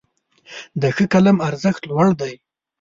د ښه قلم ارزښت لوړ دی.